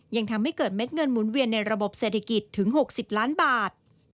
ยังทำให้เกิดเม็ดเงินหมุนเวียนในระบบเศรษฐกิจถึง๖๐ล้านบาท